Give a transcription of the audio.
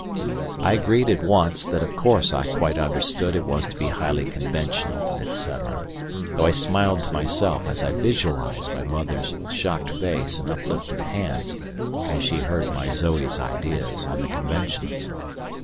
I agreed at once that of course I quite understood it was to be highly conventional, etc., though I smiled to myself as I visualized my mother's shocked face and uplifted hands had she heard my Zoe's ideas on the conventions.